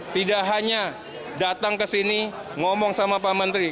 tidak hanya datang ke sini ngomong sama pak menteri